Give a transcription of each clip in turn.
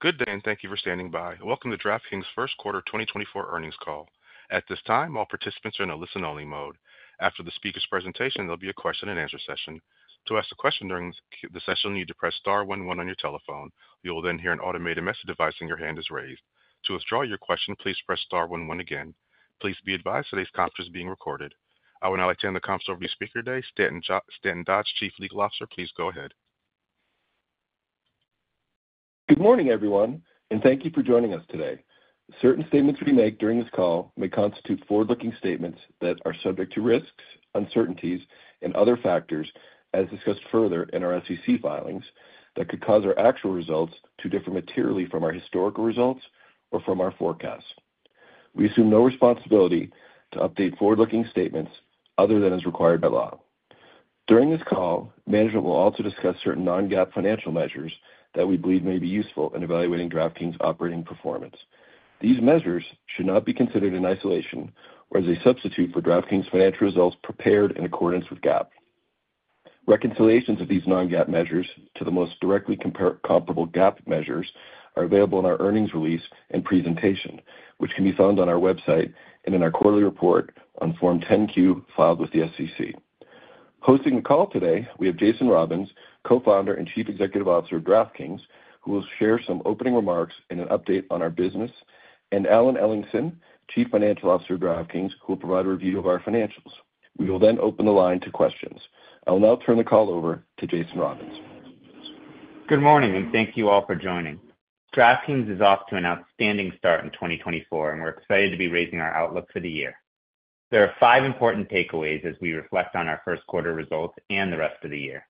Good day, and thank you for standing by. Welcome to DraftKings first quarter 2024 earnings call. At this time, all participants are in a listen-only mode. After the speaker's presentation, there'll be a question-and-answer session. To ask a question during the session, you'll need to press star one one on your telephone. You will then hear an automated message advising your hand is raised. To withdraw your question, please press star one one again. Please be advised today's conference is being recorded. I would now like to hand the conference over to the speaker today, Stanton Dodge, Chief Legal Officer. Please go ahead. Good morning, everyone, and thank you for joining us today. Certain statements we make during this call may constitute forward-looking statements that are subject to risks, uncertainties, and other factors, as discussed further in our SEC filings, that could cause our actual results to differ materially from our historical results or from our forecasts. We assume no responsibility to update forward-looking statements other than as required by law. During this call, management will also discuss certain non-GAAP financial measures that we believe may be useful in evaluating DraftKings' operating performance. These measures should not be considered in isolation or as a substitute for DraftKings' financial results prepared in accordance with GAAP. Reconciliations of these non-GAAP measures to the most directly comparable GAAP measures are available in our earnings release and presentation, which can be found on our website and in our quarterly report on Form 10-Q, filed with the SEC. Hosting the call today, we have Jason Robins, Co-founder and Chief Executive Officer of DraftKings, who will share some opening remarks and an update on our business, and Alan Ellingson, Chief Financial Officer of DraftKings, who will provide a review of our financials. We will then open the line to questions. I will now turn the call over to Jason Robins. Good morning, and thank you all for joining. DraftKings is off to an outstanding start in 2024, and we're excited to be raising our outlook for the year. There are five important takeaways as we reflect on our first quarter results and the rest of the year.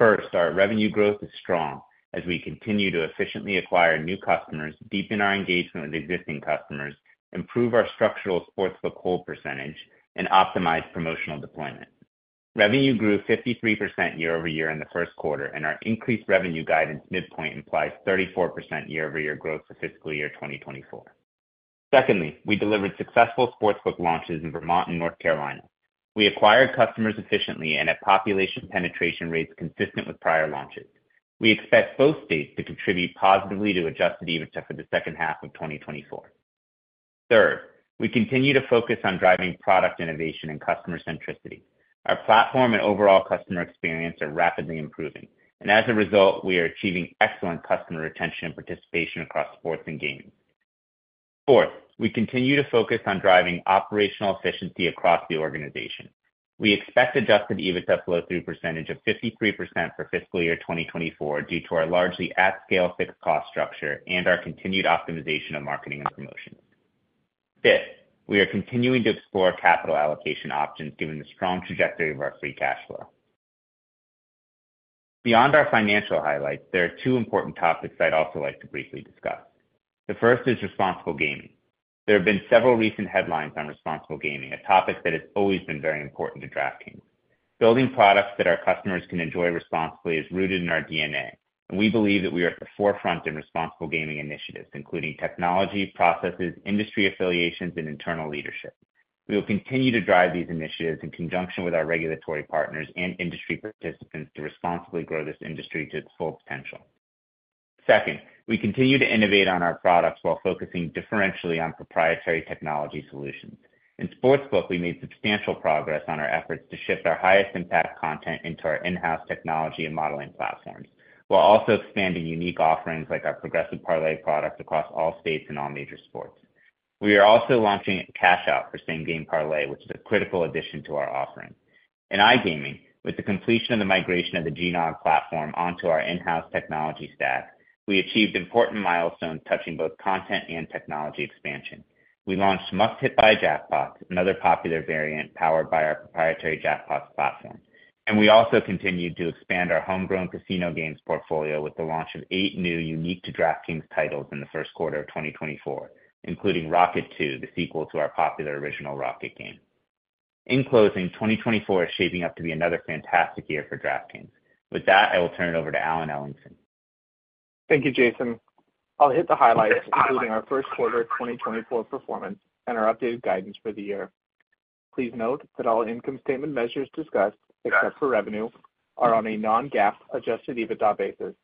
First, our revenue growth is strong as we continue to efficiently acquire new customers, deepen our engagement with existing customers, improve our structural sportsbook hold percentage, and optimize promotional deployment. Revenue grew 53% year-over-year in the first quarter, and our increased revenue guidance midpoint implies 34% year-over-year growth for fiscal year 2024. Secondly, we delivered successful sportsbook launches in Vermont and North Carolina. We acquired customers efficiently and at population penetration rates consistent with prior launches. We expect both states to contribute positively to Adjusted EBITDA for the second half of 2024. Third, we continue to focus on driving product innovation and customer centricity. Our platform and overall customer experience are rapidly improving, and as a result, we are achieving excellent customer retention and participation across sports and gaming. Fourth, we continue to focus on driving operational efficiency across the organization. We expect Adjusted EBITDA flow-through percentage of 53% for fiscal year 2024, due to our largely at-scale fixed cost structure and our continued optimization of marketing and promotions. Fifth, we are continuing to explore capital allocation options given the strong trajectory of our free cash flow. Beyond our financial highlights, there are two important topics I'd also like to briefly discuss. The first is responsible gaming. There have been several recent headlines on responsible gaming, a topic that has always been very important to DraftKings. Building products that our customers can enjoy responsibly is rooted in our DNA, and we believe that we are at the forefront in responsible gaming initiatives, including technology, processes, industry affiliations, and internal leadership. We will continue to drive these initiatives in conjunction with our regulatory partners and industry participants to responsibly grow this industry to its full potential. Second, we continue to innovate on our products while focusing differentially on proprietary technology solutions. In Sportsbook, we made substantial progress on our efforts to shift our highest impact content into our in-house technology and modeling platforms, while also expanding unique offerings like our Progressive Parlay product across all states and all major sports. We are also launching Cash Out for Same Game Parlay, which is a critical addition to our offering. In iGaming, with the completion of the migration of the GNOK platform onto our in-house technology stack, we achieved important milestones touching both content and technology expansion. We launched Must Hit By Jackpots, another popular variant powered by our proprietary jackpots platform. We also continued to expand our homegrown casino games portfolio with the launch of eight new unique to DraftKings titles in the first quarter of 2024, including Rocket II, the sequel to our popular original Rocket game. In closing, 2024 is shaping up to be another fantastic year for DraftKings. With that, I will turn it over to Alan Ellingson. Thank you, Jason. I'll hit the highlights, including our first quarter 2024 performance and our updated guidance for the year. Please note that all income statement measures discussed, except for revenue, are on a non-GAAP Adjusted EBITDA basis.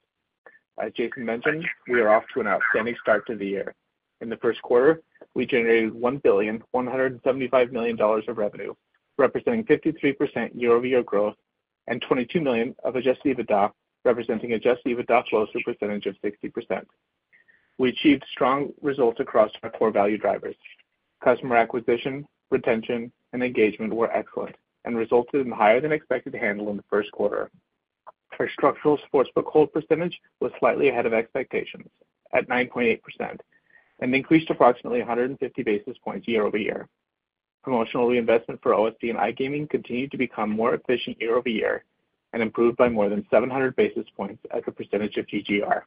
As Jason mentioned, we are off to an outstanding start to the year. In the first quarter, we generated $1.175 billion of revenue, representing 53% year-over-year growth and $22 million of Adjusted EBITDA, representing Adjusted EBITDA flow-through percentage of 60%. We achieved strong results across our core value drivers. Customer acquisition, retention, and engagement were excellent and resulted in higher than expected handle in the first quarter. Our structural sportsbook hold percentage was slightly ahead of expectations at 9.8% and increased approximately 150 basis points year-over-year. Promotional reinvestment for OSB and iGaming continued to become more efficient year-over-year and improved by more than 700 basis points as a percentage of TGR.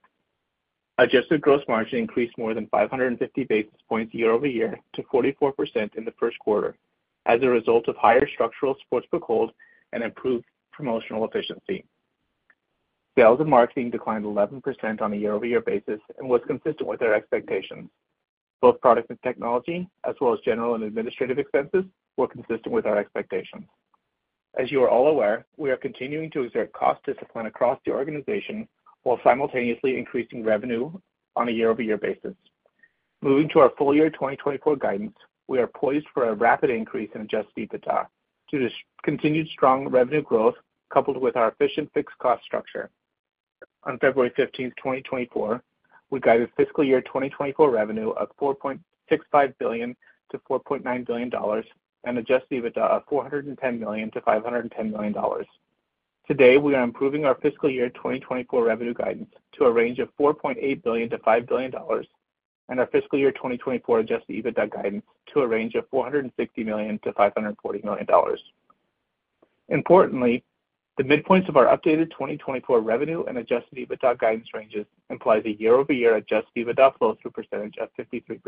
Adjusted gross margin increased more than 550 basis points year-over-year to 44% in the first quarter as a result of higher structural sportsbook hold and improved promotional efficiency. Sales and marketing declined 11% on a year-over-year basis and was consistent with our expectations. Both product and technology, as well as general and administrative expenses, were consistent with our expectations. As you are all aware, we are continuing to exert cost discipline across the organization, while simultaneously increasing revenue on a year-over-year basis. Moving to our full-year 2024 guidance, we are poised for a rapid increase in Adjusted EBITDA due to continued strong revenue growth, coupled with our efficient fixed cost structure. On February 15, 2024, we guided fiscal year 2024 revenue of $4.65 billion-$4.9 billion and Adjusted EBITDA of $410 million-$510 million. Today, we are improving our fiscal year 2024 revenue guidance to a range of $4.8 billion-$5 billion, and our fiscal year 2024 Adjusted EBITDA guidance to a range of $460 million-$540 million. Importantly, the midpoints of our updated 2024 revenue and Adjusted EBITDA guidance ranges implies a year-over-year Adjusted EBITDA flow-through percentage of 53%.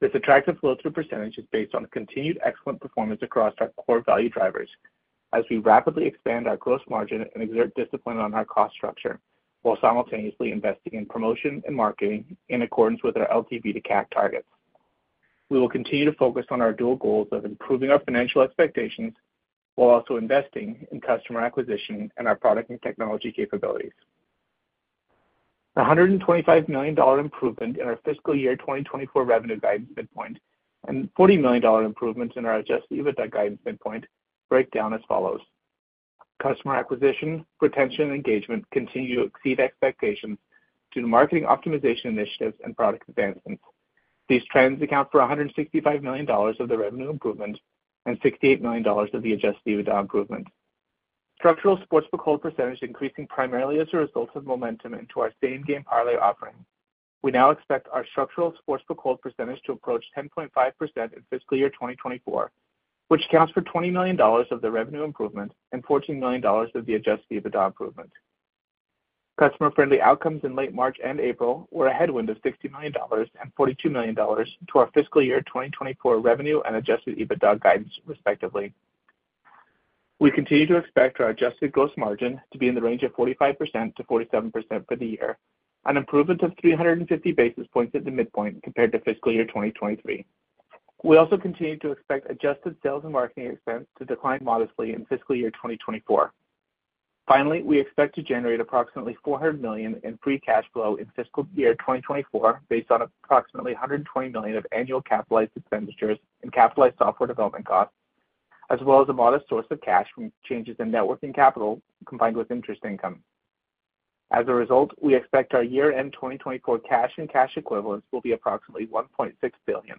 This attractive flow-through percentage is based on continued excellent performance across our core value drivers as we rapidly expand our gross margin and exert discipline on our cost structure, while simultaneously investing in promotion and marketing in accordance with our LTV to CAC targets. We will continue to focus on our dual goals of improving our financial expectations, while also investing in customer acquisition and our product and technology capabilities. A $125 million improvement in our fiscal year 2024 revenue guidance midpoint and $40 million improvement in our Adjusted EBITDA guidance midpoint break down as follows: Customer acquisition, retention, and engagement continue to exceed expectations due to marketing optimization initiatives and product advancements. These trends account for a $165 million of the revenue improvement and $68 million of the Adjusted EBITDA improvement. Structural sportsbook hold percentage increasing primarily as a result of momentum into our Same Game Parlay offering. We now expect our structural sportsbook hold percentage to approach 10.5% in fiscal year 2024, which accounts for $20 million of the revenue improvement and $14 million of the adjusted EBITDA improvement. Customer-friendly outcomes in late March and April were a headwind of $60 million and $42 million to our fiscal year 2024 revenue and adjusted EBITDA guidance, respectively. We continue to expect our adjusted gross margin to be in the range of 45%-47% for the year, an improvement of 350 basis points at the midpoint compared to fiscal year 2023. We also continue to expect adjusted sales and marketing expense to decline modestly in fiscal year 2024. Finally, we expect to generate approximately $400 million in free cash flow in fiscal year 2024, based on approximately $120 million of annual capitalized expenditures and capitalized software development costs, as well as a modest source of cash from changes in net working capital, combined with interest income. As a result, we expect our year-end 2024 cash and cash equivalents will be approximately $1.6 billion,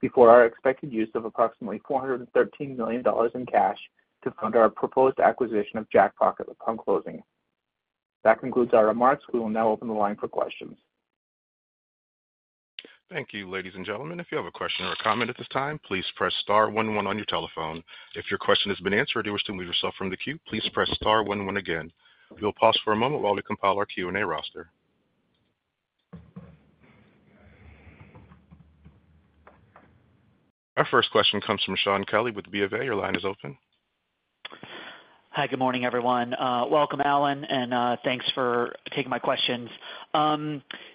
before our expected use of approximately $413 million in cash to fund our proposed acquisition of Jackpocket upon closing. That concludes our remarks. We will now open the line for questions. Thank you, ladies and gentlemen. If you have a question or a comment at this time, please press star one one on your telephone. If your question has been answered or you wish to remove yourself from the queue, please press star one one again. We'll pause for a moment while we compile our Q&A roster. Our first question comes from Shaun Kelley with BofA. Your line is open. Hi, good morning, everyone. Welcome, Alan, and thanks for taking my questions.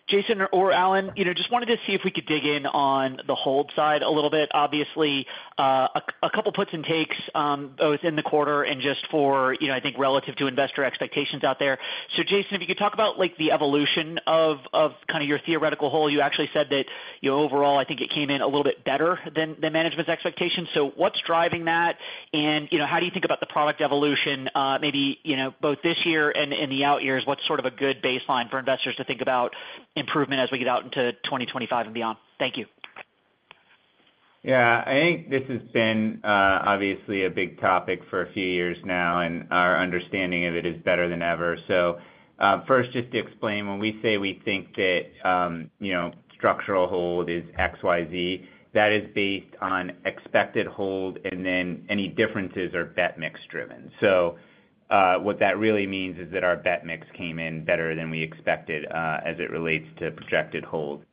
Jason or Alan, you know, just wanted to see if we could dig in on the hold side a little bit. Obviously, a couple puts and takes, both in the quarter and just for, you know, I think, relative to investor expectations out there. So Jason, if you could talk about, like, the evolution of kind of your theoretical hold. You actually said that, you know, overall, I think it came in a little bit better than management's expectations. So what's driving that? You know, how do you think about the product evolution, maybe, you know, both this year and the out years? What's sort of a good baseline for investors to think about improvement as we get out into 2025 and beyond? Thank you. Yeah, I think this has been, obviously a big topic for a few years now, and our understanding of it is better than ever. So, first, just to explain, when we say we think that, you know, structural hold is XYZ, that is based on expected hold, and then any differences are bet mix driven. So, what that really means is that our bet mix came in better than we expected, as it relates to projected hold.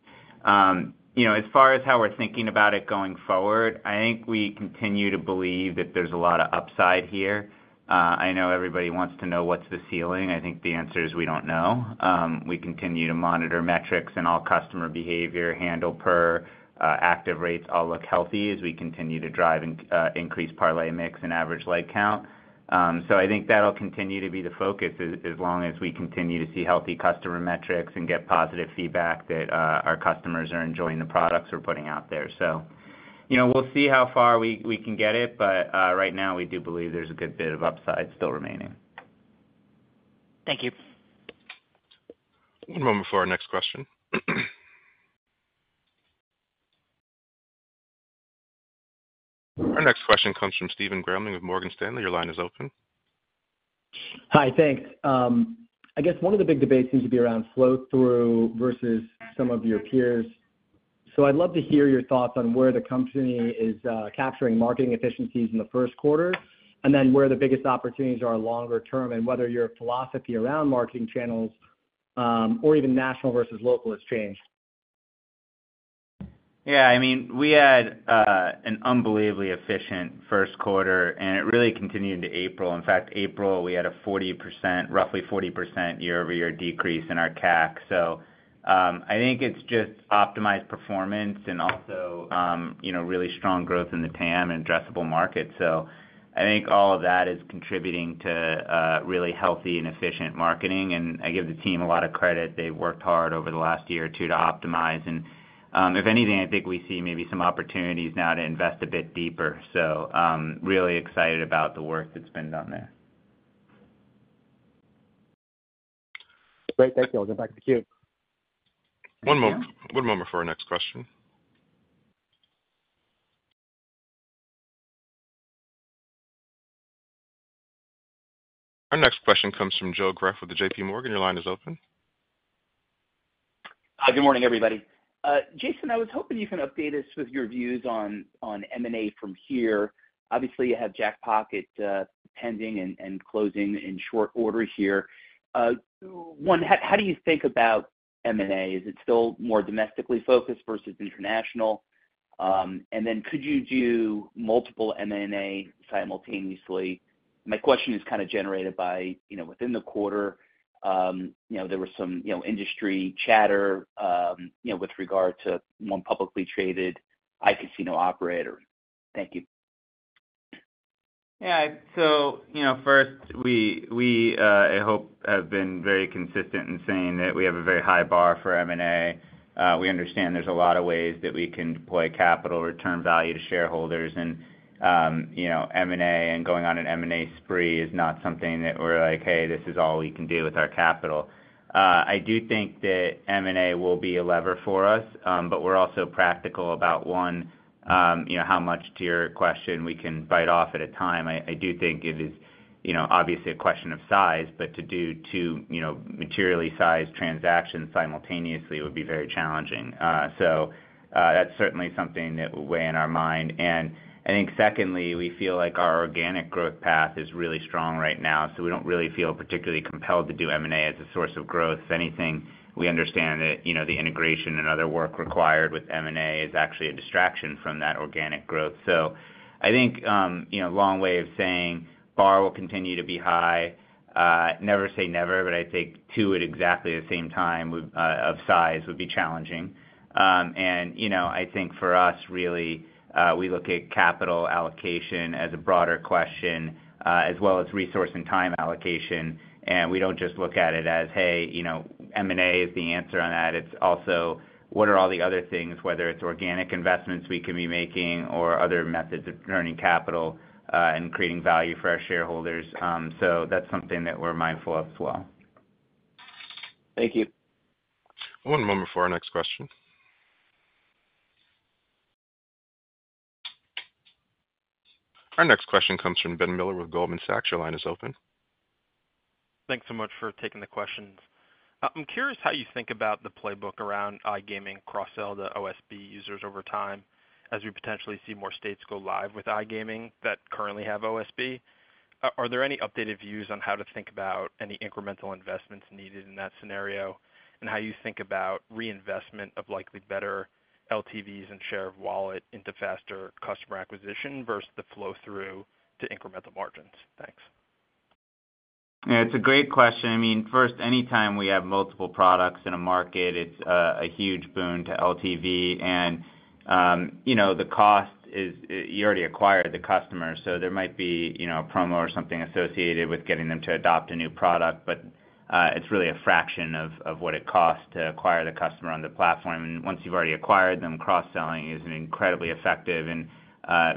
You know, as far as how we're thinking about it going forward, I think we continue to believe that there's a lot of upside here. I know everybody wants to know what's the ceiling. I think the answer is we don't know. We continue to monitor metrics and all customer behavior, handle per active rates all look healthy as we continue to drive and increase parlay mix and average leg count. So I think that'll continue to be the focus as long as we continue to see healthy customer metrics and get positive feedback that our customers are enjoying the products we're putting out there. So, you know, we'll see how far we can get it, but right now, we do believe there's a good bit of upside still remaining. Thank you. One moment before our next question. Our next question comes from Stephen Grambling of Morgan Stanley. Your line is open. Hi, thanks. I guess one of the big debates seems to be around flow-through versus some of your peers. So I'd love to hear your thoughts on where the company is capturing marketing efficiencies in the first quarter, and then where the biggest opportunities are longer term, and whether your philosophy around marketing channels or even national versus local has changed? Yeah, I mean, we had an unbelievably efficient first quarter, and it really continued into April. In fact, April, we had a 40%, roughly 40% year-over-year decrease in our CAC. So, I think it's just optimized performance and also, you know, really strong growth in the TAM and addressable market. So I think all of that is contributing to really healthy and efficient marketing, and I give the team a lot of credit. They've worked hard over the last year or two to optimize, and, if anything, I think we see maybe some opportunities now to invest a bit deeper. So, really excited about the work that's been done there. Great. Thank you. I'll get back to the queue. One moment for our next question. Our next question comes from Joe Greff with J.P. Morgan. Your line is open. Hi, good morning, everybody. Jason, I was hoping you can update us with your views on M&A from here. Obviously, you have Jackpocket pending and closing in short order here. One, how do you think about M&A? Is it still more domestically focused versus international? Then could you do multiple M&A simultaneously? My question is kind of generated by, you know, within the quarter, you know, there were some, you know, industry chatter, you know, with regard to one publicly traded iCasino operator. Thank you. Yeah. So, you know, first, we have been very consistent in saying that we have a very high bar for M&A. We understand there's a lot of ways that we can deploy capital, return value to shareholders, and, you know, M&A and going on an M&A spree is not something that we're like, "Hey, this is all we can do with our capital." I do think that M&A will be a lever for us, but we're also practical about, one, you know, how much, to your question, we can bite off at a time. I do think it is, you know, obviously a question of size, but to do two, you know, materially sized transactions simultaneously would be very challenging. So, that's certainly something that will weigh in our mind. I think secondly, we feel like our organic growth path is really strong right now, so we don't really feel particularly compelled to do M&A as a source of growth. If anything, we understand that, you know, the integration and other work required with M&A is actually a distraction from that organic growth. So I think, you know, long way of saying, bar will continue to be high. Never say never, but I think two at exactly the same time would, of size, would be challenging and, you know, I think for us, really, we look at capital allocation as a broader question, as well as resource and time allocation, and we don't just look at it as, hey, you know, M&A is the answer on that. It's also, what are all the other things, whether it's organic investments we can be making or other methods of earning capital, and creating value for our shareholders? So that's something that we're mindful of as well. Thank you. One moment before our next question. Our next question comes from Ben Miller with Goldman Sachs. Your line is open. Thanks so much for taking the questions. I'm curious how you think about the playbook around iGaming cross-sell to OSB users over time, as we potentially see more states go live with iGaming that currently have OSB. Are there any updated views on how to think about any incremental investments needed in that scenario, and how you think about reinvestment of likely better LTVs and share of wallet into faster customer acquisition versus the flow-through to incremental margins? Thanks. Yeah, it's a great question. I mean, first, anytime we have multiple products in a market, it's a huge boon to LTV, and you know, the cost is, you already acquired the customer, so there might be, you know, a promo or something associated with getting them to adopt a new product, but it's really a fraction of, of what it costs to acquire the customer on the platform. Once you've already acquired them, cross-selling is an incredibly effective and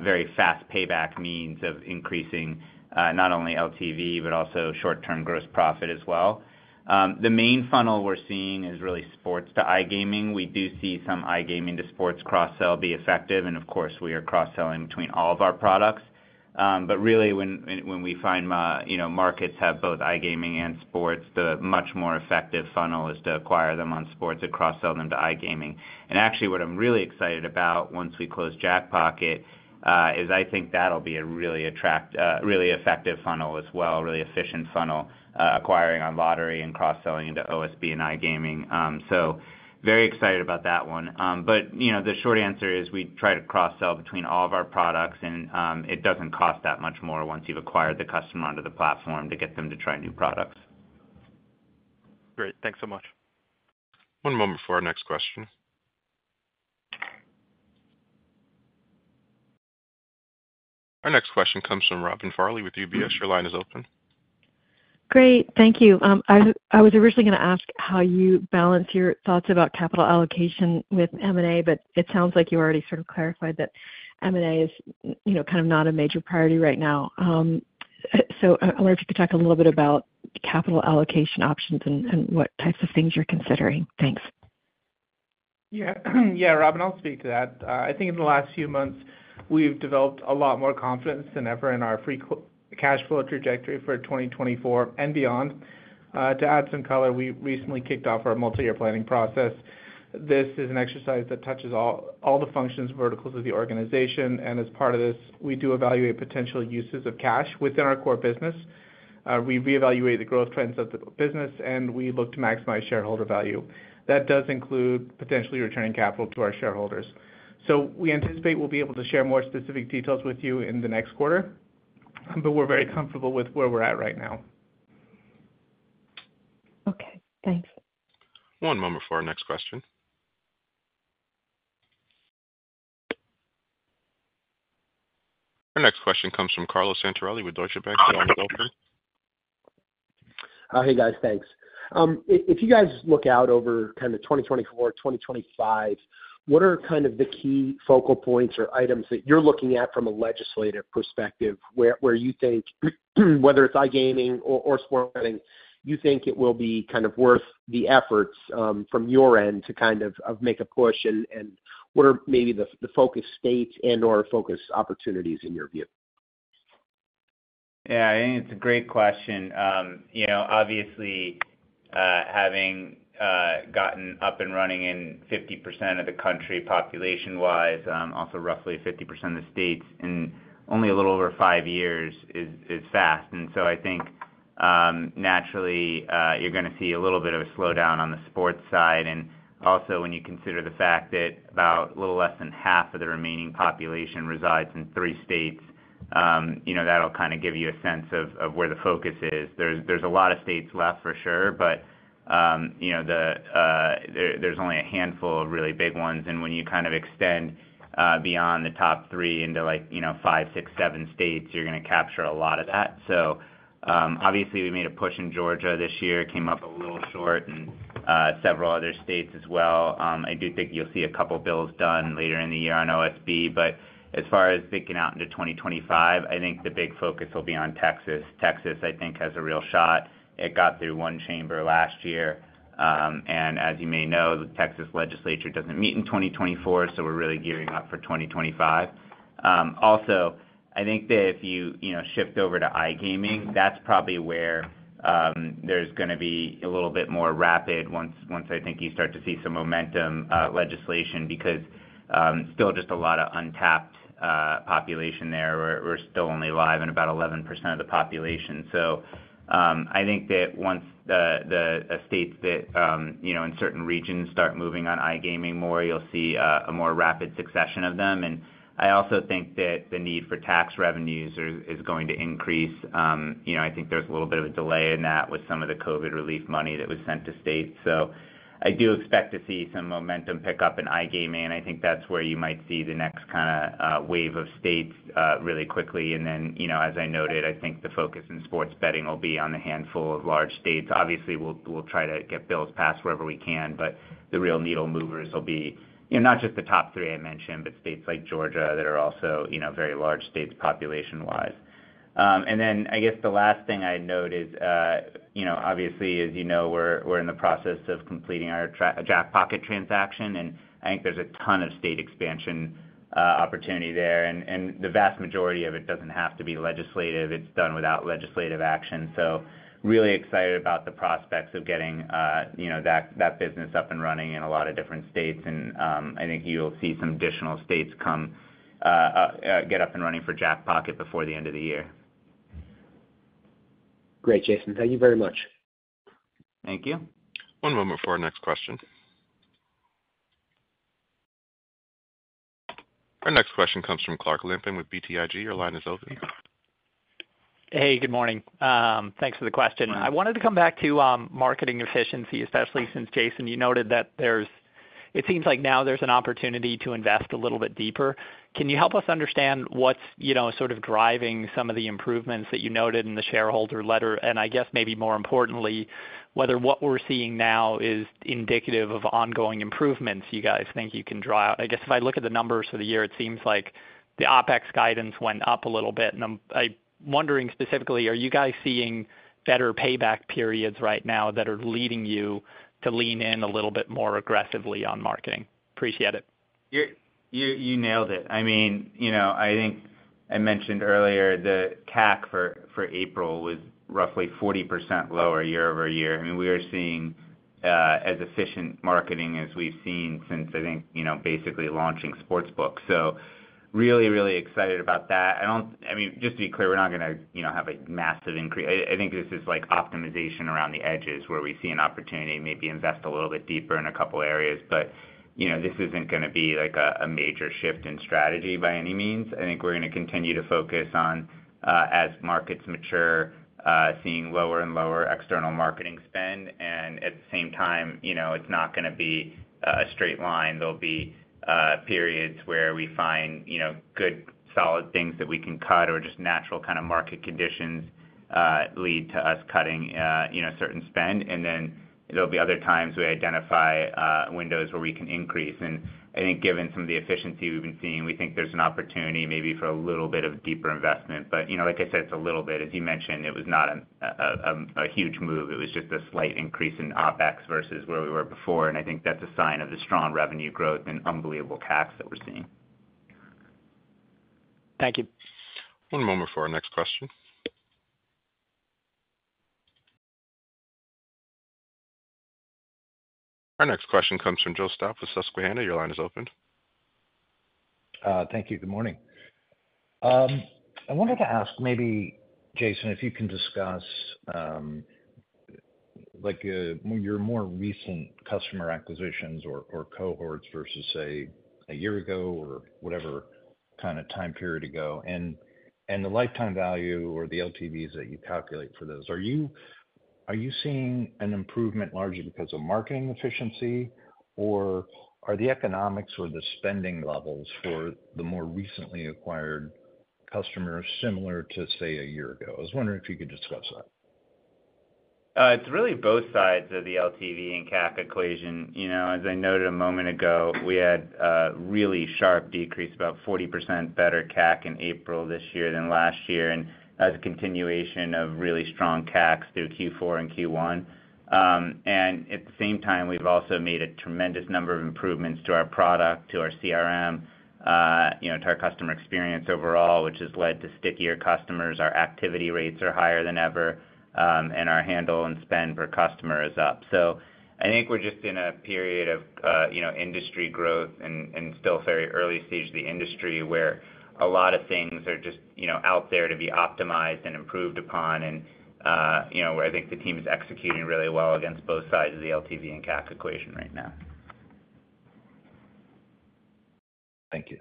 very fast payback means of increasing, not only LTV, but also short-term gross profit as well. The main funnel we're seeing is really sports to iGaming. We do see some iGaming to sports cross-sell be effective, and of course, we are cross-selling between all of our products. But really, when we find markets have both iGaming and sports, the much more effective funnel is to acquire them on sports and cross-sell them to iGaming. Actually, what I'm really excited about once we close Jackpocket, is I think that'll be a really effective funnel as well, a really efficient funnel, acquiring on lottery and cross-selling into OSB and iGaming. So very excited about that one. But, you know, the short answer is we try to cross-sell between all of our products, and, it doesn't cost that much more once you've acquired the customer onto the platform to get them to try new products. Great. Thanks so much. One moment before our next question. Our next question comes from Robin Farley with UBS. Your line is open. Great. Thank you. I was originally gonna ask how you balance your thoughts about capital allocation with M&A, but it sounds like you already sort of clarified that M&A is, you know, kind of not a major priority right now. So I wonder if you could talk a little bit about capital allocation options and what types of things you're considering. Thanks. Yeah. Yeah, Robin, I'll speak to that. I think in the last few months, we've developed a lot more confidence than ever in our free cash flow trajectory for 2024 and beyond. To add some color, we recently kicked off our multi-year planning process. This is an exercise that touches all the functions, verticals of the organization, and as part of this, we do evaluate potential uses of cash within our core business. We reevaluate the growth trends of the business, and we look to maximize shareholder value. That does include potentially returning capital to our shareholders. So we anticipate we'll be able to share more specific details with you in the next quarter but we're very comfortable with where we're at right now. Okay, thanks. One moment for our next question. Our next question comes from Carlos Santarelli with Deutsche Bank. Your line is open. Hey, guys, thanks. If you guys look out over kind of 2024, 2025, what are kind of the key focal points or items that you're looking at from a legislative perspective, where you think, whether it's iGaming or sports betting, you think it will be kind of worth the efforts from your end to kind of make a push and what are maybe the focus states and/or focus opportunities in your view? Yeah, I think it's a great question. You know, obviously, having gotten up and running in 50% of the country population-wise, also roughly 50% of the states in only a little over five years is, is fast. So I think, naturally, you're gonna see a little bit of a slowdown on the sports side. Also, when you consider the fact that about a little less than half of the remaining population resides in three states, you know, that'll kind of give you a sense of, of where the focus is. There's, there's a lot of states left, for sure, but, you know, the, there, there's only a handful of really big ones. When you kind of extend beyond the top three into like, you know, five, six, seven states, you're gonna capture a lot of that. So, obviously, we made a push in Georgia this year, came up a little short in several other states as well. I do think you'll see a couple bills done later in the year on OSB, but as far as thinking out into 2025, I think the big focus will be on Texas. Texas, I think, has a real shot. It got through one chamber last year. As you may know, the Texas legislature doesn't meet in 2024, so we're really gearing up for 2025. Also, I think that if you, you know, shift over to iGaming, that's probably where there's gonna be a little bit more rapid once I think you start to see some momentum legislation, because still just a lot of untapped population there. We're still only live in about 11% of the population. So, I think that once the states that, you know, in certain regions start moving on iGaming more, you'll see a more rapid succession of them. I also think that the need for tax revenues is going to increase. You know, I think there's a little bit of a delay in that with some of the COVID relief money that was sent to states. So I do expect to see some momentum pick up in iGaming, and I think that's where you might see the next kinda wave of states really quickly. Then, you know, as I noted, I think the focus in sports betting will be on a handful of large states. Obviously, we'll try to get bills passed wherever we can, but the real needle movers will be, you know, not just the top three I mentioned, but states like Georgia that are also, you know, very large states population-wise. Then I guess the last thing I'd note is, you know, obviously, as you know, we're in the process of completing our Jackpocket transaction, and I think there's a ton of state expansion opportunity there and the vast majority of it doesn't have to be legislative. It's done without legislative action. So really excited about the prospects of getting, you know, that, that business up and running in a lot of different states. and, I think you'll see some additional states come, get up and running for Jackpocket before the end of the year. Great, Jason. Thank you very much. Thank you. One moment for our next question. Our next question comes from Clark Lampen with BTIG. Your line is open. Hey, good morning. Thanks for the question. I wanted to come back to marketing efficiency, especially since, Jason, you noted that there's, it seems like now there's an opportunity to invest a little bit deeper. Can you help us understand what's, you know, sort of driving some of the improvements that you noted in the shareholder letter, and I guess maybe more importantly, whether what we're seeing now is indicative of ongoing improvements you guys think you can draw out? I guess if I look at the numbers for the year, it seems like the OpEx guidance went up a little bit, and I'm wondering specifically, are you guys seeing better payback periods right now that are leading you to lean in a little bit more aggressively on marketing? Appreciate it. You nailed it. I mean, you know, I think I mentioned earlier, the CAC for April was roughly 40% lower year-over-year. I mean, we are seeing as efficient marketing as we've seen since, I think, you know, basically launching Sportsbook. So really, really excited about that. I mean, just to be clear, we're not gonna, you know, have a massive increase. I think this is like optimization around the edges, where we see an opportunity to maybe invest a little bit deeper in a couple areas. But, you know, this isn't gonna be, like, a major shift in strategy by any means. I think we're gonna continue to focus on, as markets mature, seeing lower and lower external marketing spend, and at the same time, you know, it's not gonna be, a straight line. There'll be periods where we find, you know, good, solid things that we can cut or just natural kind of market conditions lead to us cutting, you know, certain spend. Then there'll be other times we identify windows where we can increase. I think given some of the efficiency we've been seeing, we think there's an opportunity maybe for a little bit of deeper investment. But, you know, like I said, it's a little bit. As you mentioned, it was not a huge move. It was just a slight increase in OpEx versus where we were before, and I think that's a sign of the strong revenue growth and unbelievable traction that we're seeing. Thank you. One moment for our next question. Our next question comes from Joe Stauff with Susquehanna. Your line is open. Thank you. Good morning. I wanted to ask, maybe, Jason, if you can discuss like your more recent customer acquisitions or cohorts versus, say, a year ago or whatever kind of time period ago, and the lifetime value or the LTVs that you calculate for those, are you seeing an improvement largely because of marketing efficiency or are the economics or the spending levels for the more recently acquired customers similar to, say, a year ago? I was wondering if you could discuss that. It's really both sides of the LTV and CAC equation. You know, as I noted a moment ago, we had a really sharp decrease, about 40% better CAC in April this year than last year, and that's a continuation of really strong CACs through Q4 and Q1. At the same time, we've also made a tremendous number of improvements to our product, to our CRM, you know, to our customer experience overall, which has led to stickier customers. Our activity rates are higher than ever, and our handle and spend per customer is up. So I think we're just in a period of, you know, industry growth and still very early stage of the industry, where a lot of things are just, you know, out there to be optimized and improved upon. You know, where I think the team is executing really well against both sides of the LTV and CAC equation right now. Thank you.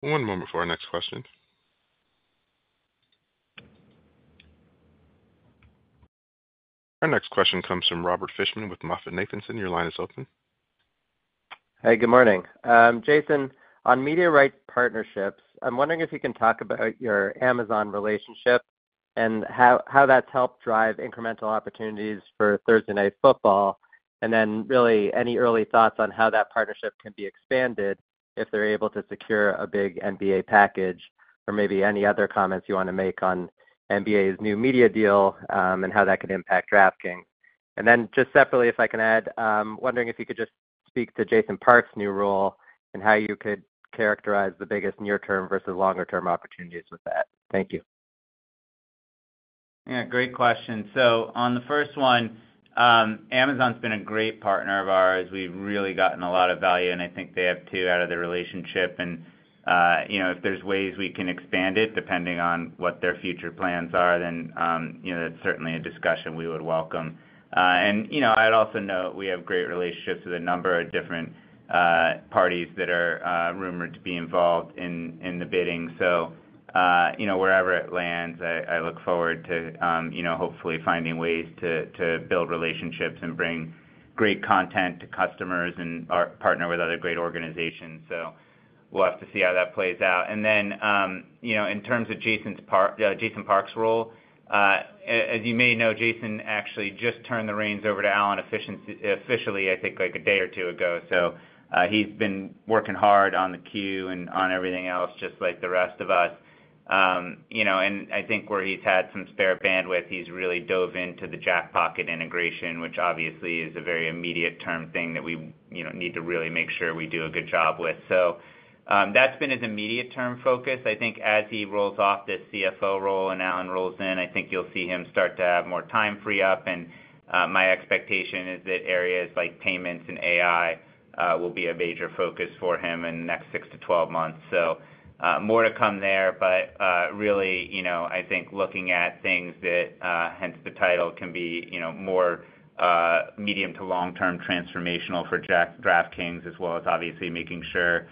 One moment before our next question. Our next question comes from Robert Fishman with MoffettNathanson. Your line is open. Hey, good morning. Jason, on media rights partnerships, I'm wondering if you can talk about your Amazon relationship and how that's helped drive incremental opportunities for Thursday Night Football. Then really, any early thoughts on how that partnership can be expanded if they're able to secure a big NBA package, or maybe any other comments you want to make on NBA's new media deal, and how that could impact DraftKings? Then just separately, if I can add, wondering if you could just speak to Jason Park's new role and how you could characterize the biggest near-term versus longer-term opportunities with that. Thank you. Yeah, great question. So on the first one, Amazon's been a great partner of ours. We've really gotten a lot of value, and I think they have, too, out of the relationship and, you know, if there's ways we can expand it, depending on what their future plans are, then, you know, that's certainly a discussion we would welcome. You know, I'd also note we have great relationships with a number of different, parties that are, rumored to be involved in the bidding. So, you know, wherever it lands, I look forward to, you know, hopefully finding ways to build relationships and bring great content to customers and, or partner with other great organizations. So we'll have to see how that plays out. Then, you know, in terms of Jason Park's role, as you may know, Jason actually just turned the reins over to Alan Ellingson officially, I think, like, a day or two ago. So, he's been working hard on the Q and on everything else, just like the rest of us. You know, and I think where he's had some spare bandwidth, he's really dove into the Jackpocket integration, which obviously is a very immediate-term thing that we, you know, need to really make sure we do a good job with. So, that's been his immediate-term focus. I think as he rolls off the CFO role and Alan rolls in, I think you'll see him start to have more time free up, and, my expectation is that areas like payments and AI, will be a major focus for him in the next 6-12 months. So, more to come there, but, really, you know, I think looking at things that, hence the title, can be, you know, more, medium to long-term transformational for Jackpocket, DraftKings, as well as obviously making sure,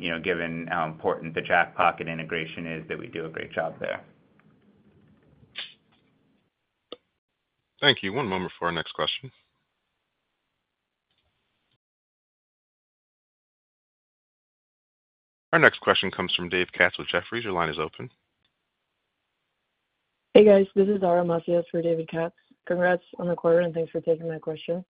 you know, given how important the Jackpocket integration is, that we do a great job there. Thank you. One moment for our next question. Our next question comes from David Katz with Jefferies. Your line is open. Hey, guys, this is Ara Macias for David Katz. Congrats on the quarter, and thanks for taking my question.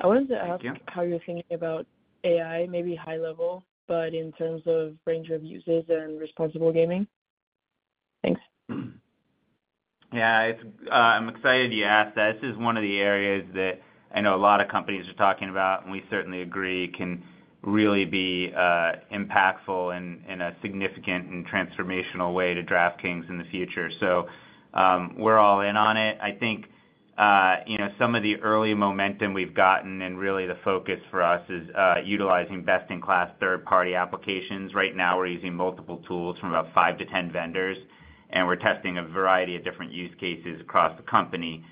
I wanted to ask- Thank you. how you're thinking about AI, maybe high level, but in terms of range of uses and responsible gaming? Thanks. Yeah, it's I'm excited you asked that. This is one of the areas that I know a lot of companies are talking about, and we certainly agree can really be impactful in a significant and transformational way to DraftKings in the future. So, we're all in on it. I think you know, some of the early momentum we've gotten and really the focus for us is utilizing best-in-class third-party applications. Right now, we're using multiple tools from about 5-10 vendors, and we're testing a variety of different use cases across the company.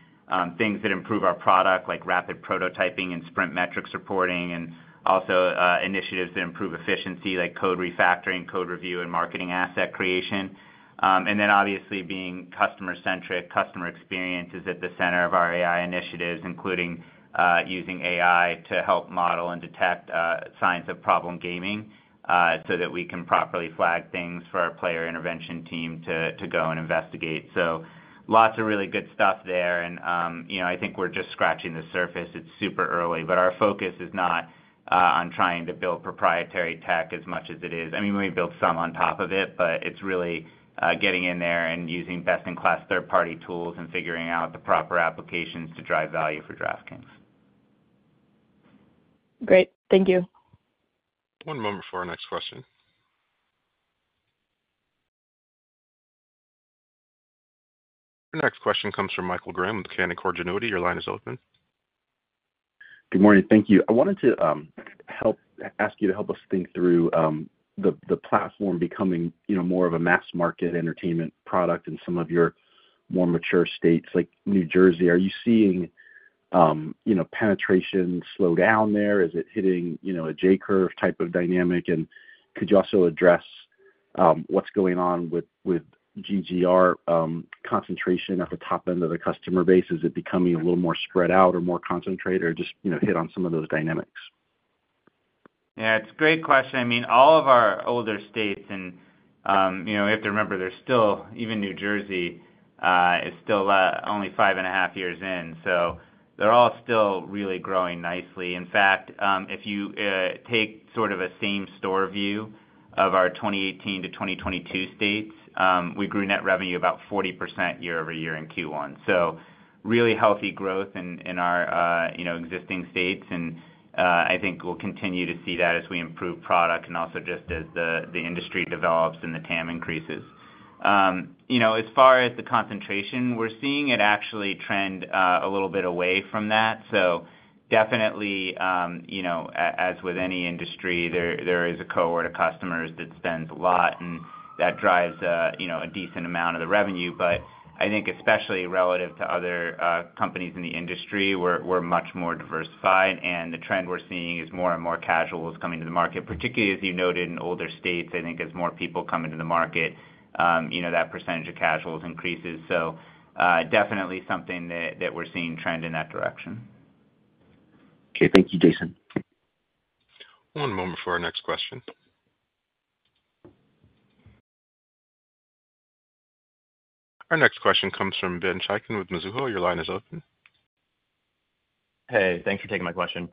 Things that improve our product, like rapid prototyping and sprint metric reporting, and also initiatives that improve efficiency, like code refactoring, code review, and marketing asset creation. Then obviously, being customer-centric. Customer experience is at the center of our AI initiatives, including using AI to help model and detect signs of problem gaming, so that we can properly flag things for our player intervention team to go and investigate. So lots of really good stuff there, and you know, I think we're just scratching the surface. It's super early, but our focus is not on trying to build proprietary tech as much as it is... I mean, we build some on top of it, but it's really getting in there and using best-in-class third-party tools and figuring out the proper applications to drive value for DraftKings. Great. Thank you. One moment before our next question. Our next question comes from Michael Graham with Canaccord Genuity. Your line is open. Good morning. Thank you. I wanted to ask you to help us think through the platform becoming, you know, more of a mass market entertainment product in some of your more mature states, like New Jersey. Are you seeing, you know, penetration slow down there? Is it hitting, you know, a J-curve type of dynamic and could you also address what's going on with GGR concentration at the top end of the customer base? Is it becoming a little more spread out or more concentrated, or just, you know, hit on some of those dynamics? Yeah, it's a great question. I mean, all of our older states and, you know, you have to remember, they're still, even New Jersey, is still, only 5.5 years in, so they're all still really growing nicely. In fact, if you, take sort of a same store view of our 2018-2022 states, we grew net revenue about 40% year-over-year in Q1. So really healthy growth in, in our, you know, existing states and, I think we'll continue to see that as we improve product and also just as the, the industry develops and the TAM increases. You know, as far as the concentration, we're seeing it actually trend, a little bit away from that. So definitely, you know, as with any industry, there is a cohort of customers that spends a lot, and that drives, you know, a decent amount of the revenue. But I think especially relative to other companies in the industry, we're much more diversified, and the trend we're seeing is more and more casuals coming to the market, particularly as you noted, in older states. I think as more people come into the market, you know, that percentage of casuals increases. So, definitely something that we're seeing trend in that direction. Okay. Thank you, Jason. One moment for our next question. Our next question comes from Ben Chaiken with Mizuho. Your line is open. Hey, thanks for taking my question.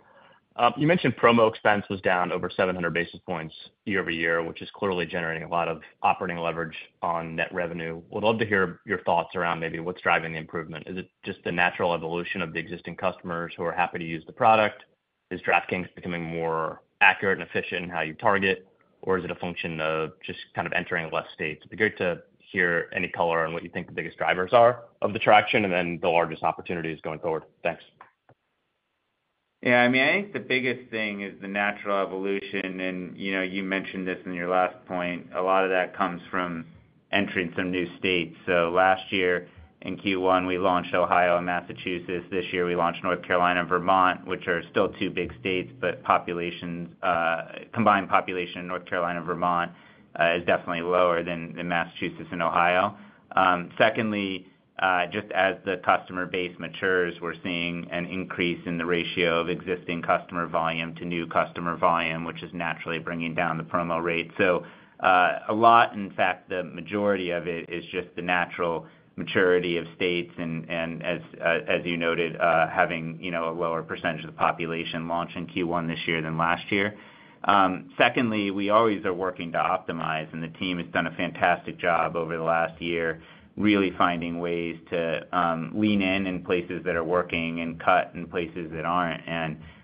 You mentioned promo expense was down over 700 basis points year-over-year, which is clearly generating a lot of operating leverage on net revenue. Would love to hear your thoughts around maybe what's driving the improvement. Is it just the natural evolution of the existing customers who are happy to use the product? Is DraftKings becoming more accurate and efficient in how you target, or is it a function of just kind of entering less states? HIt'd be great to hear any color on what you think the biggest drivers are of the traction, and then the largest opportunities going forward. Thanks. Yeah, I mean, I think the biggest thing is the natural evolution, and, you know, you mentioned this in your last point. A lot of that comes from entering some new states. So last year in Q1, we launched Ohio and Massachusetts. This year, we launched North Carolina and Vermont, which are still two big states, but populations, combined population in North Carolina and Vermont, is definitely lower than in Massachusetts and Ohio. Secondly, just as the customer base matures, we're seeing an increase in the ratio of existing customer volume to new customer volume, which is naturally bringing down the promo rate. So, a lot, in fact, the majority of it is just the natural maturity of states and as you noted, having, you know, a lower percentage of the population launch in Q1 this year than last year. Secondly, we always are working to optimize, and the team has done a fantastic job over the last year, really finding ways to lean in in places that are working and cut in places that aren't.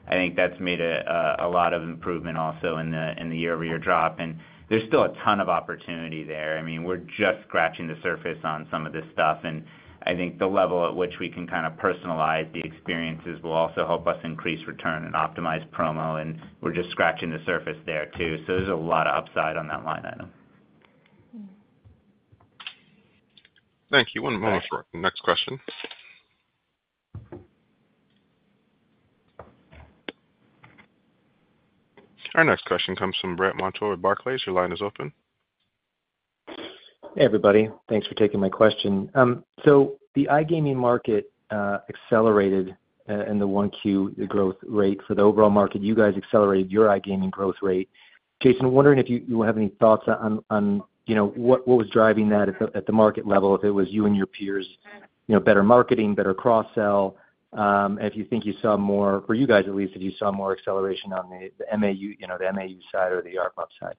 I think that's made a lot of improvement also in the year-over-year drop and there's still a ton of opportunity there. I mean, we're just scratching the surface on some of this stuff, and I think the level at which we can kind of personalize the experiences will also help us increase return and optimize promo, and we're just scratching the surface there, too. So there's a lot of upside on that line item. Thank you. One moment for our next question. Our next question comes from Brandt Montour with Barclays. Your line is open. Hey, everybody. Thanks for taking my question. So the iGaming market accelerated in the 1Q, the growth rate for the overall market. You guys accelerated your iGaming growth rate. Jason, I'm wondering if you have any thoughts on, you know, what was driving that at the market level, if it was you and your peers, you know, better marketing, better cross-sell? If you think you saw more, for you guys at least, if you saw more acceleration on the MAU, you know, the MAU side or the ARPUP side?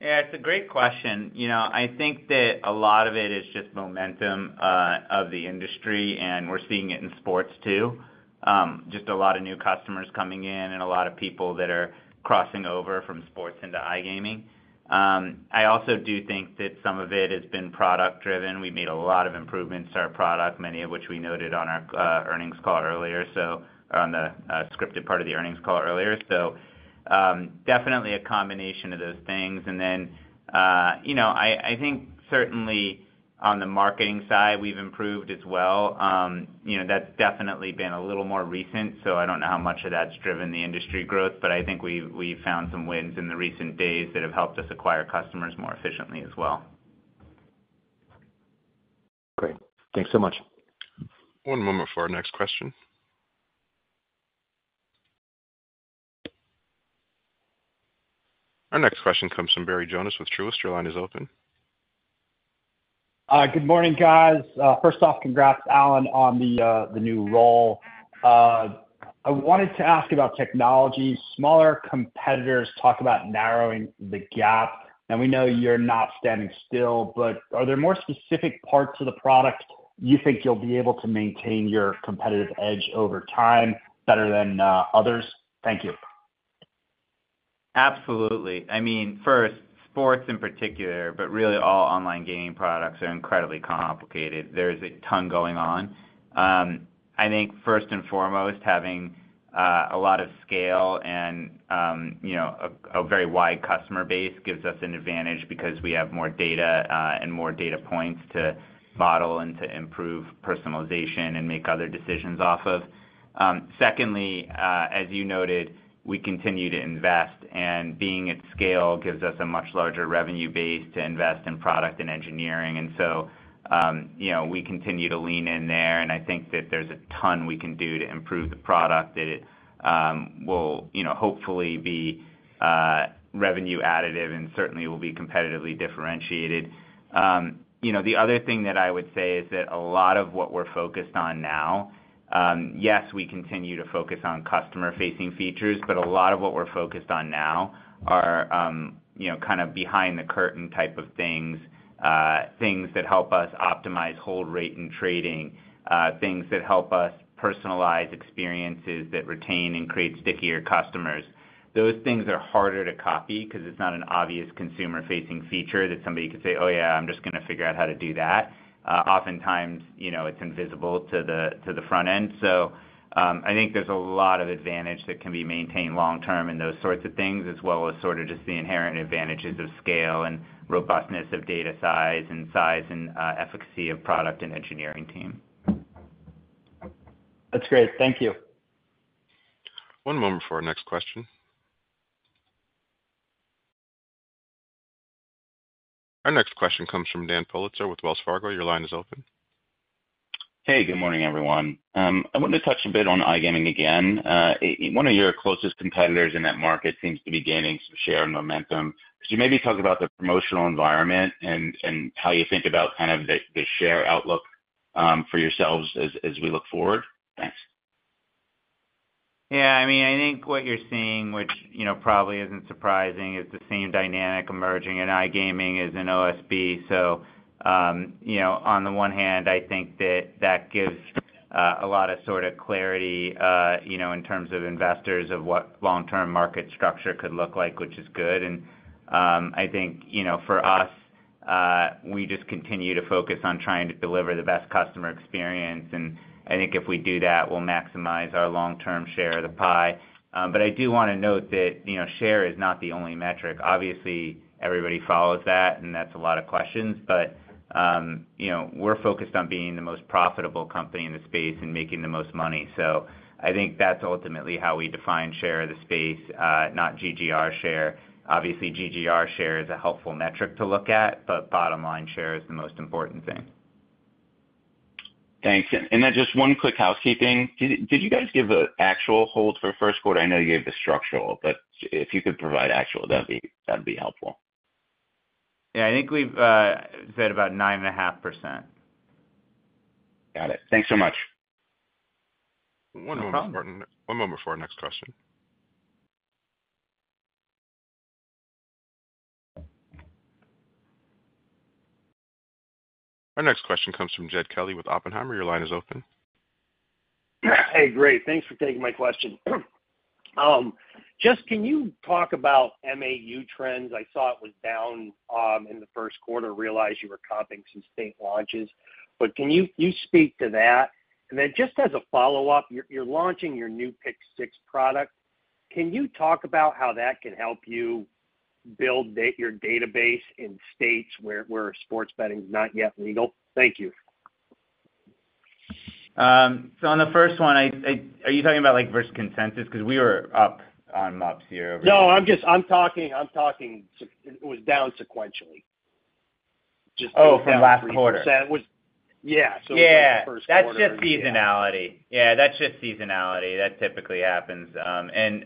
Yeah, it's a great question. You know, I think that a lot of it is just momentum of the industry, and we're seeing it in sports, too. Just a lot of new customers coming in and a lot of people that are crossing over from sports into iGaming. I also do think that some of it has been product driven. We've made a lot of improvements to our product, many of which we noted on our earnings call earlier, so on the scripted part of the earnings call earlier. So, definitely a combination of those things. Then, you know, I think certainly on the marketing side, we've improved as well. You know, that's definitely been a little more recent, so I don't know how much of that's driven the industry growth, but I think we've found some wins in the recent days that have helped us acquire customers more efficiently as well. Great. Thanks so much. One moment for our next question. Our next question comes from Barry Jonas with Truist. Your line is open. Good morning, guys. First off, congrats, Alan, on the new role. I wanted to ask about technology. Smaller competitors talk about narrowing the gap, and we know you're not standing still, but are there more specific parts of the product you think you'll be able to maintain your competitive edge over time better than others? Thank you. Absolutely. I mean, first, sports in particular, but really all online gaming products are incredibly complicated. There's a ton going on. I think first and foremost, having a lot of scale and, you know, a very wide customer base gives us an advantage because we have more data and more data points to model and to improve personalization and make other decisions off of. Secondly, as you noted, we continue to invest, and being at scale gives us a much larger revenue base to invest in product and engineering. So, you know, we continue to lean in there, and I think that there's a ton we can do to improve the product, that it will, you know, hopefully be revenue additive, and certainly will be competitively differentiated. You know, the other thing that I would say is that a lot of what we're focused on now, yes, we continue to focus on customer-facing features, but a lot of what we're focused on now are, you know, kind of behind-the-curtain type of things, things that help us optimize hold rate and trading, things that help us personalize experiences that retain and create stickier customers. Those things are harder to copy 'cause it's not an obvious consumer-facing feature that somebody could say, "Oh, yeah, I'm just gonna figure out how to do that." Oftentimes, you know, it's invisible to the, to the front end. So, I think there's a lot of advantage that can be maintained long term in those sorts of things, as well as sort of just the inherent advantages of scale and robustness of data size, and size and, efficacy of product and engineering team. That's great. Thank you. One moment for our next question. Our next question comes from Dan Politzer with Wells Fargo. Your line is open. Hey, good morning, everyone. I wanted to touch a bit on iGaming again. One of your closest competitors in that market seems to be gaining some share and momentum. Could you maybe talk about the promotional environment and, and how you think about kind of the, the share outlook, for yourselves as, as we look forward? Thanks. Yeah, I mean, I think what you're seeing, which, you know, probably isn't surprising, is the same dynamic emerging in iGaming as in OSB. So, you know, on the one hand, I think that that gives a lot of sort of clarity, you know, in terms of investors of what long-term market structure could look like, which is good. I think, you know, for us, we just continue to focus on trying to deliver the best customer experience, and I think if we do that, we'll maximize our long-term share of the pie. But I do wanna note that, you know, share is not the only metric. Obviously, everybody follows that, and that's a lot of questions, but, you know, we're focused on being the most profitable company in the space and making the most money. So I think that's ultimately how we define share of the space, not GGR share. Obviously, GGR share is a helpful metric to look at, but bottom line share is the most important thing. Thanks. Then just one quick housekeeping. Did you guys give an actual hold for first quarter? I know you gave the structural, but if you could provide actual, that'd be helpful. Yeah, I think we've said about 9.5%. Got it. Thanks so much. One moment- No problem. One moment for our next question. Our next question comes from Jed Kelly with Oppenheimer. Your line is open. Hey, great. Thanks for taking my question. Just, can you talk about MAU trends? I saw it was down in the first quarter. Realize you were comping some state launches, but can you speak to that? Then just as a follow-up, you're launching your new Pick Six product. Can you talk about how that can help you build your database in states where sports betting is not yet legal? Thank you. So on the first one, are you talking about, like, versus consensus beause we were up on MUPs here? No, I'm just talking. It was down sequentially. Just- Oh, from last quarter? Yeah, it was... Yeah. Yeah. The first quarter. That's just seasonality. Yeah, that's just seasonality. That typically happens.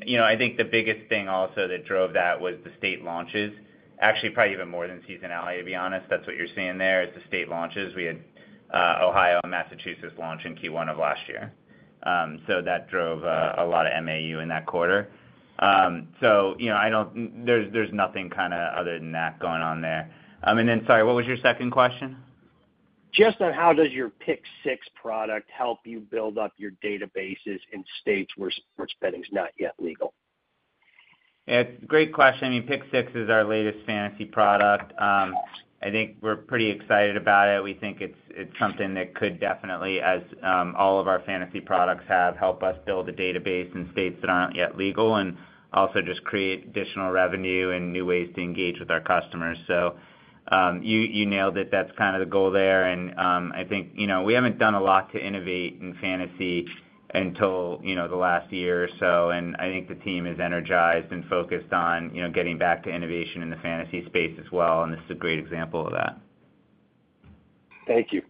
You know, I think the biggest thing also that drove that was the state launches, actually, probably even more than seasonality, to be honest. That's what you're seeing there, is the state launches. We had Ohio and Massachusetts launch in Q1 of last year. So that drove a lot of MAU in that quarter. So, you know, there's, there's nothing kinda other than that going on there. Then, sorry, what was your second question? Just on how does your Pick Six product help you build up your databases in states where sports betting is not yet legal? Yeah, it's a great question. I mean, Pick Six is our latest fantasy product. I think we're pretty excited about it. We think it's, it's something that could definitely, as, all of our fantasy products have, help us build a database in states that aren't yet legal, and also just create additional revenue and new ways to engage with our customers. So, you, you nailed it. That's kind of the goal there, and, I think, you know, we haven't done a lot to innovate in fantasy until, you know, the last year or so, and I think the team is energized and focused on, you know, getting back to innovation in the fantasy space as well, and this is a great example of that. Thank you.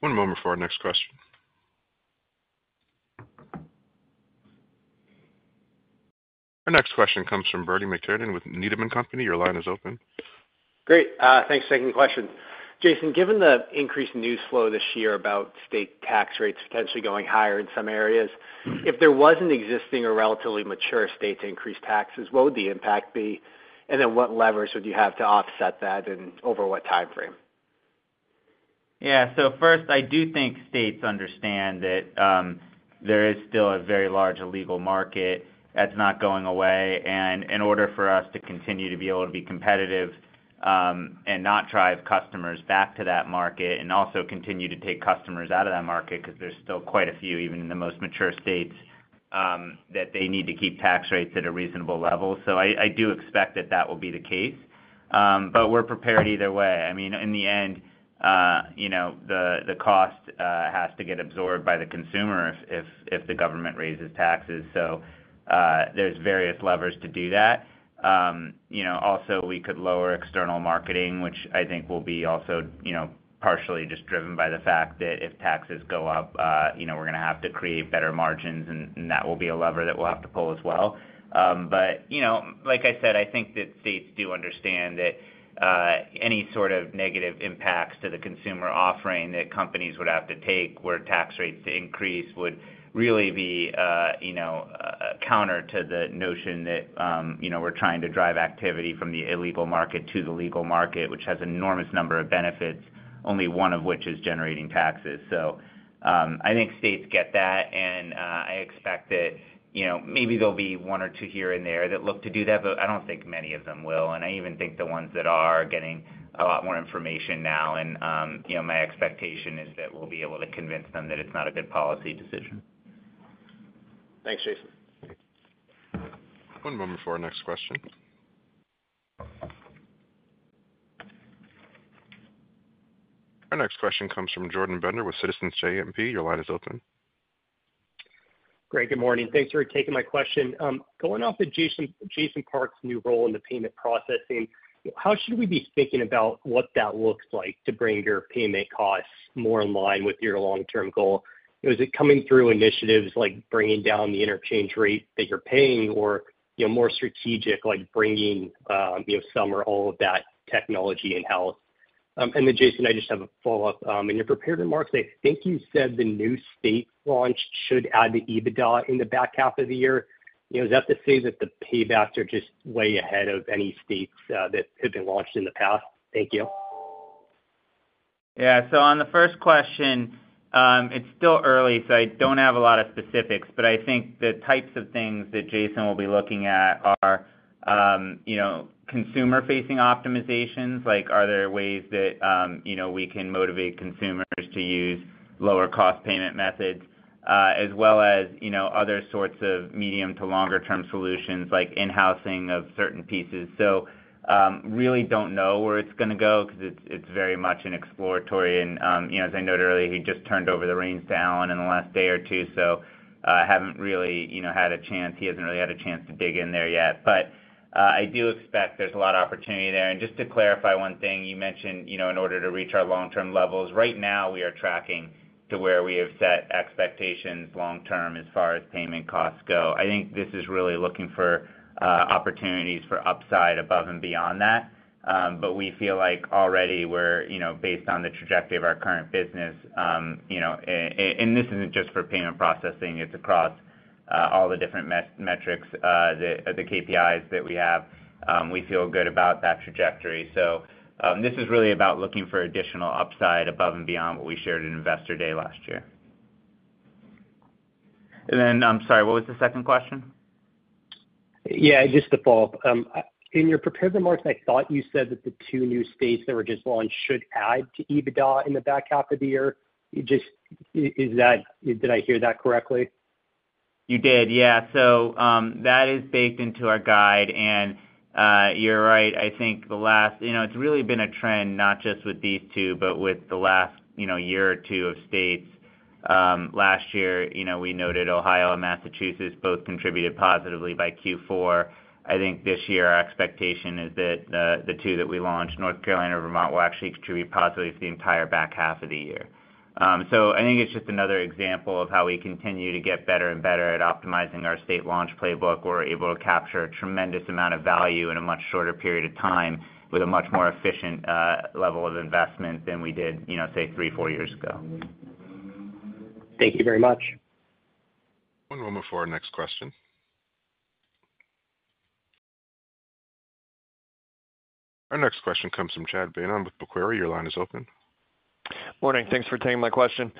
One moment for our next question. Our next question comes from Bernie McTernan with Needham & Company. Your line is open. Great. Thanks for taking the question. Jason, given the increased news flow this year about state tax rates potentially going higher in some areas if there was an existing or relatively mature state to increase taxes, what would the impact be? Then what levers would you have to offset that, and over what timeframe? Yeah. So first, I do think states understand that, there is still a very large illegal market that's not going away and in order for us to continue to be able to be competitive, and not drive customers back to that market, and also continue to take customers out of that market, because there's still quite a few, even in the most mature states, that they need to keep tax rates at a reasonable level. So I do expect that that will be the case. But we're prepared either way. I mean, in the end, you know, the cost has to get absorbed by the consumer if the government raises taxes. So, there's various levers to do that. You know, also, we could lower external marketing, which I think will be also, you know, partially just driven by the fact that if taxes go up, you know, we're gonna have to create better margins, and that will be a lever that we'll have to pull as well. But, you know, like I said, I think that states do understand that any sort of negative impacts to the consumer offering that companies would have to take, where tax rates increase, would really be, you know, counter to the notion that, you know, we're trying to drive activity from the illegal market to the legal market, which has an enormous number of benefits, only one of which is generating taxes. So, I think states get that, and, I expect that, you know, maybe there'll be one or two here and there that look to do that, but I don't think many of them will. I even think the ones that are, are getting a lot more information now, and, you know, my expectation is that we'll be able to convince them that it's not a good policy decision. Thanks, Jason. One moment before our next question. Our next question comes from Jordan Bender with Citizens JMP. Your line is open. Great. Good morning. Thanks for taking my question. Going off of Jason, Jason Park's new role in the payment processing, how should we be thinking about what that looks like to bring your payment costs more in line with your long-term goal? Is it coming through initiatives like bringing down the interchange rate that you're paying or, you know, more strategic, like bringing, you know, some or all of that technology in-house? Then Jason, I just have a follow-up. In your prepared remarks, I think you said the new state launch should add to EBITDA in the back half of the year. You know, is that to say that the paybacks are just way ahead of any states that have been launched in the past? Thank you. Yeah. So on the first question, it's still early, so I don't have a lot of specificss, but I think the types of things that Jason will be looking at are, you know, consumer-facing optimizations, like are there ways that, you know, we can motivate consumers to use lower cost payment methods, as well as, you know, other sorts of medium to longer term solutions, like in-housing of certain pieces. So, really don't know where it's gonna go, because it's very much an exploratory and, you know, as I noted earlier, he just turned over the reins to Alan in the last day or two, so, I haven't really, you know, had a chance, he hasn't really had a chance to dig in there yet. But, I do expect there's a lot of opportunity there. Just to clarify one thing, you mentioned, you know, in order to reach our long-term levels. Right now, we are tracking to where we have set expectations long term, as far as payment costs go. I think this is really looking for opportunities for upside, above and beyond that. But we feel like already we're, you know, based on the trajectory of our current business, and this isn't just for payment processing, it's across all the different metrics, the KPIs that we have. We feel good about that trajectory. So, this is really about looking for additional upside, above and beyond what we shared in Investor Day last year. Then, I'm sorry, what was the second question? Yeah, just a follow-up. In your prepared remarks, I thought you said that the two new states that were just launched should add to EBITDA in the back half of the year. You just -- is that -- did I hear that correctly? You did, yeah. So, that is baked into our guide. You're right, I think the last—you know, it's really been a trend, not just with these two, but with the last, you know, year or two of states. Last year, you know, we noted Ohio and Massachusetts both contributed positively by Q4. I think this year, our expectation is that the, the two that we launched, North Carolina, Vermont, will actually contribute positively to the entire back half of the year. So I think it's just another example of how we continue to get better and better at optimizing our state launch playbook. We're able to capture a tremendous amount of value in a much shorter period of time, with a much more efficient, level of investment than we did, you know, say, three, four years ago. Thank you very much. One moment before our next question. Our next question comes from Chad Beynon with Macquarie. Your line is open. Morning. Thanks for taking my question.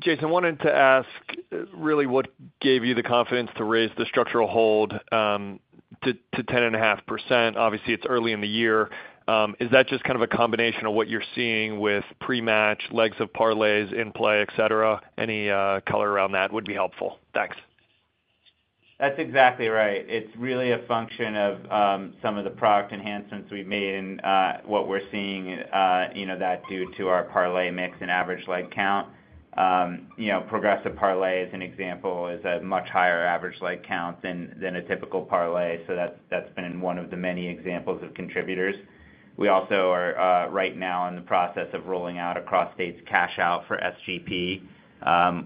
Jason, wanted to ask really what gave you the confidence to raise the structural hold to 10.5%? Obviously, it's early in the year. Is that just kind of a combination of what you're seeing with pre-match, legs of parlays, in-play, et cetera? Any color around that would be helpful. Thanks. That's exactly right. It's really a function of some of the product enhancements we've made, and what we're seeing, you know, that due to our parlay mix and average leg count. You know, Progressive Parlay, as an example, is a much higher average leg count than a typical parlay, so that's been one of the many examples of contributors. We also are right now in the process of rolling out across states, Cash Out for SGP,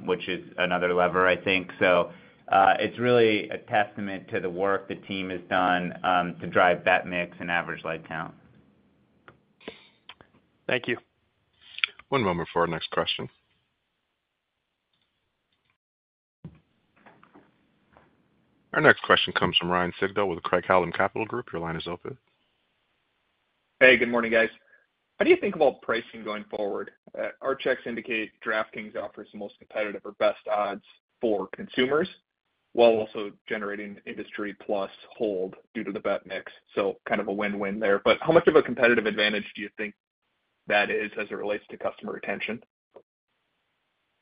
which is another lever, I think. So, it's really a testament to the work the team has done to drive that mix and average leg count. Thank you. One moment before our next question. Our next question comes from Ryan Sigdahl with Craig-Hallum Capital Group. Your line is open. Hey, good morning, guys. How do you think about pricing going forward? Our checks indicate DraftKings offers the most competitive or best odds for consumers, while also generating industry plus hold due to the bet mix. So kind of a win-win there, but how much of a competitive advantage do you think that is as it relates to customer retention?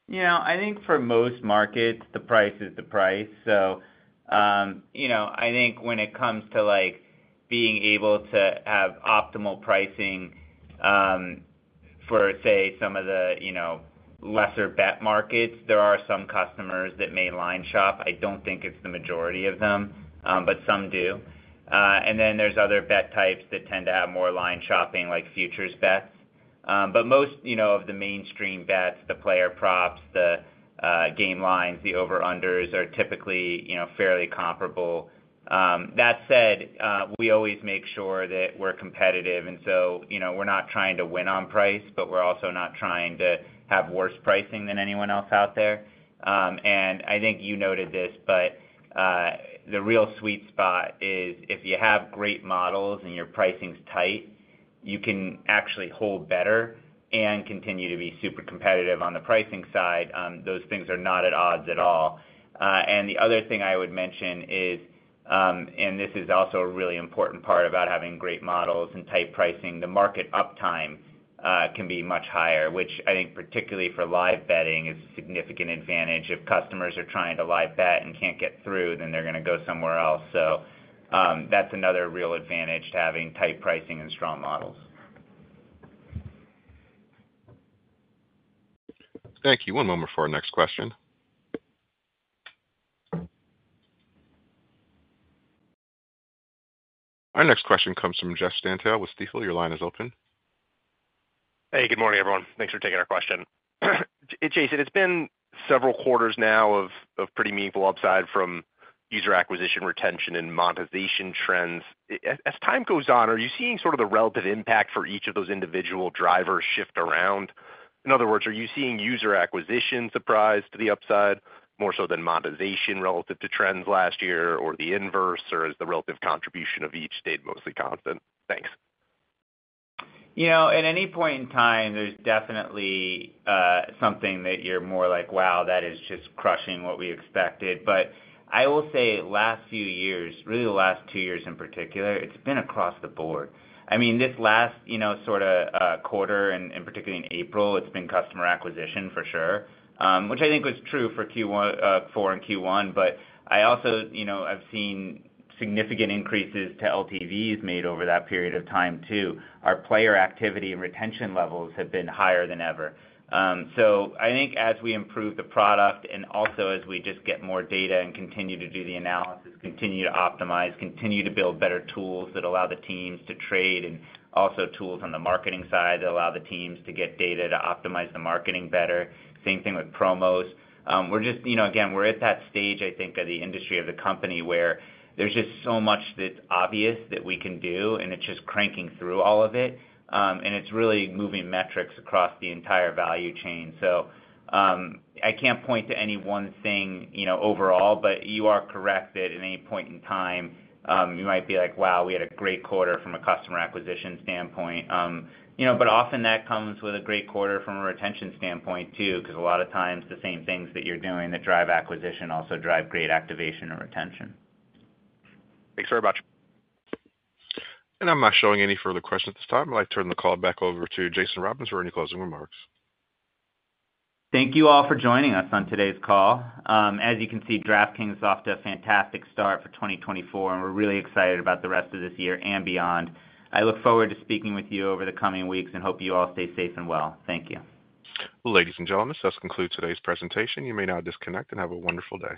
You know, I think for most markets, the price is the price. So, you know, I think when it comes to, like, being able to have optimal pricing, for, say, some of the, you know, lesser bet markets, there are some customers that may line shop. I don't think it's the majority of them, but some do. Then there's other bet types that tend to have more line shopping, like futures bets. But most, you know, of the mainstream bets, the player props, the game lines, the over-unders, are typically, you know, fairly comparable. That said, we always make sure that we're competitive, and so, you know, we're not trying to win on price, but we're also not trying to have worse pricing than anyone else out there. I think you noted this, but the real sweet spot is if you have great models and your pricing's tight, you can actually hold better and continue to be super competitive on the pricing side. Those things are not at odds at all. The other thing I would mention is, and this is also a really important part about having great models and tight pricing, the market uptime can be much higher, which I think particularly for live betting, is a significant advantage. If customers are trying to live bet and can't get through, then they're gonna go somewhere else. That's another real advantage to having tight pricing and strong models. Thank you. One moment for our next question. Our next question comes from Jeffrey Stantial with Stifel. Your line is open. Hey, good morning, everyone. Thanks for taking our question. Jason, it's been several quarters now of pretty meaningful upside from user acquisition, retention, and monetization trends. As time goes on, are you seeing sort of the relative impact for each of those individual drivers shift around? In other words, are you seeing user acquisition surprise to the upside, more so than monetization relative to trends last year, or the inverse, or has the relative contribution of each stayed mostly constant? Thanks. You know, at any point in time, there's definitely something that you're more like, "Wow, that is just crushing what we expected." But I will say last few years, really the last two years in particular, it's been across the board. I mean, this last, you know, sort of quarter and particularly in April, it's been customer acquisition for sure, which I think was true for Q1, Q4 and Q1. But I also, you know, I've seen significant increases to LTVs made over that period of time, too. Our player activity and retention levels have been higher than ever. So I think as we improve the product and also as we just get more data and continue to do the analysis, continue to optimize, continue to build better tools that allow the teams to trade, and also tools on the marketing side that allow the teams to get data to optimize the marketing better, same thing with promos. We're just... You know, again, we're at that stage, I think, of the industry, of the company, where there's just so much that's obvious that we can do, and it's just cranking through all of it and it's really moving metrics across the entire value chain. So, I can't point to any one thing, you know, overall, but you are correct that at any point in time, you might be like, "Wow, we had a great quarter from a customer acquisition standpoint." You know, but often that comes with a great quarter from a retention standpoint, too, 'cause a lot of times the same things that you're doing that drive acquisition also drive great activation or retention. Thanks very much. I'm not showing any further questions at this time. I'd like to turn the call back over to Jason Robins for any closing remarks. Thank you all for joining us on today's call. As you can see, DraftKings is off to a fantastic start for 2024, and we're really excited about the rest of this year and beyond. I look forward to speaking with you over the coming weeks, and hope you all stay safe and well. Thank you. Ladies and gentlemen, this does conclude today's presentation. You may now disconnect and have a wonderful day.